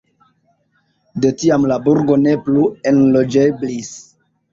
De tiam la burgo ne plu enloĝeblis.